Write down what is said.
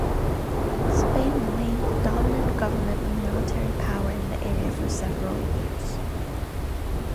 Spain remained the dominant government and military power in the area for several years.